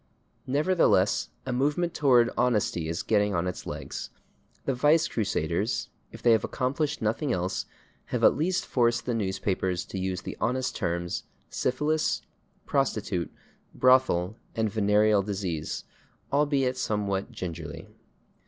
Nevertheless, a movement toward honesty is getting on its legs. The vice crusaders, if they have accomplished nothing else, have at least forced the newspapers to use the honest terms, /syphilis/, /prostitute/, /brothel/ and /venereal disease/, albeit somewhat gingerly.